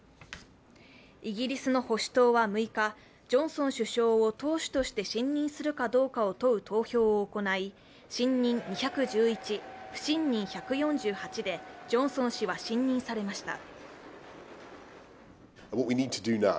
イギリスの保守党は６日、ジョンソン首相を党首として信任するかどうかを問う投票を行い信任２１１、不信任１４８でジョンソン氏は信任されました。